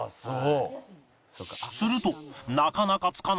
すると